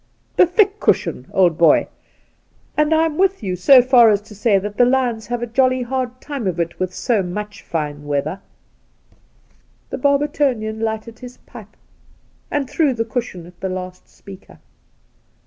The thick cushion, old boy, and I'm with you so far as to say that the lions have a jolly hard time of it' with so much fiiie #eather.' The Outspan The Barbertonian lighted up his pipe and threw the cushion at the last speaker.